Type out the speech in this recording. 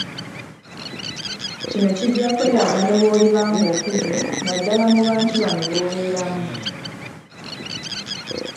Kino kijja kweraga ne bw'oliba ng'okuze naddala mu bantu banno b'obeeramu